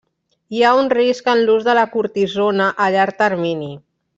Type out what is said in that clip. Hi ha un risc en l'ús de la cortisona a llarg termini.